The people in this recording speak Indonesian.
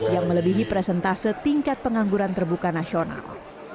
yang melebihi presentase tingkat pengangguran terbuka nasional